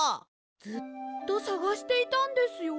ずっとさがしていたんですよ。